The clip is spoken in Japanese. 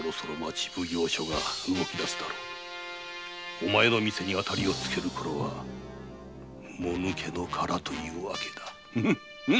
お前の店にアタリをつけるころにはもぬけのカラというわけだ。